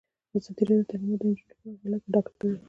ازادي راډیو د تعلیمات د نجونو لپاره حالت په ډاګه کړی.